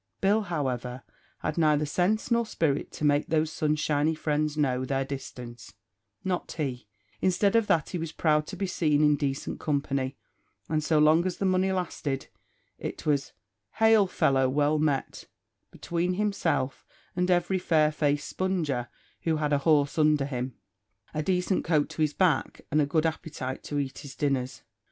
Bill, however, had neither sense nor spirit to make those sunshiny friends know their distance; not he instead of that he was proud to be seen in decent company, and so long as the money lasted, it was, "hail fellow, well met," between himself and every fair faced spunger who had a horse under him, a decent coat to his back, and a good appetite to eat his dinners.